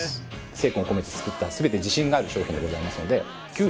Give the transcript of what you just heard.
精魂込めて作った全て自信がある商品でございますので